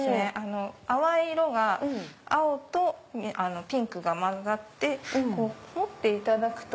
淡い色が青とピンクが混ざって持っていただくと。